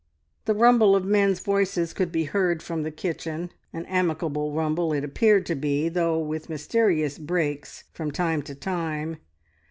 The rumble of men's voices could be heard from the kitchen an amicable rumble it appeared to be, though with mysterious breaks from time to time.